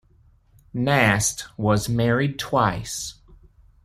Nast was married twice.